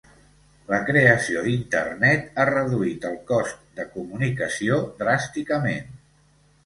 La creació d'Internet ha reduït el cost de comunicació dràsticament.